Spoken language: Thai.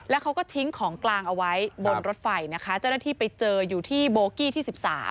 แล้วเขาก็ทิ้งของกลางเอาไว้บนรถไฟนะคะเจ้าหน้าที่ไปเจออยู่ที่โบกี้ที่๑๓